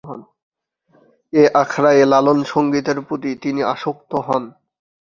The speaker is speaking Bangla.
এ আখড়ায় লালন সঙ্গীতের প্রতি তিনি আসক্ত হন।